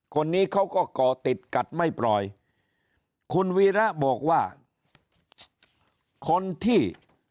คนนี้เขาก็ก่อติดกัดไม่ปล่อยคุณวีระบอกว่าคนที่